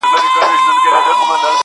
شعرونه نور ورته هيڅ مه ليكه~